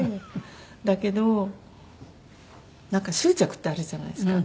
だけどなんか執着ってあるじゃないですか人間って。